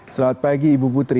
selamat pagi ibu putri